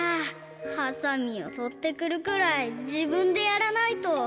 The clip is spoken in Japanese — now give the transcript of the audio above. ハサミをとってくるくらいじぶんでやらないと。